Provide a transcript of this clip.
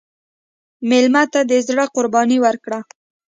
مېلمه ته د زړه قرباني ورکړه.